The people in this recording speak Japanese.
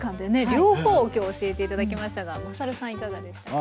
両方を今日教えて頂きましたがまさるさんいかがでしたか？